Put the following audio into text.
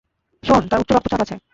শোন, তার উচ্চ রক্তচাপ আছে।